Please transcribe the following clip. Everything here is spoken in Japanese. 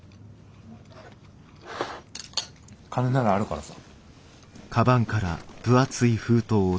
金ならあるからさ。